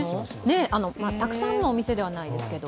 たくさんのお店ではないですけど。